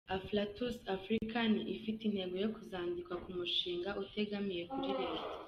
Afflatus Africa ni ifite intego yo kuzandikwa nk’umushinga utegamiye kuri Leta.